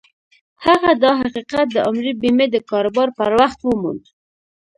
هغه دا حقيقت د عمري بيمې د کاروبار پر وخت وموند.